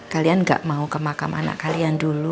kalian gak mau ke makam anak kalian dulu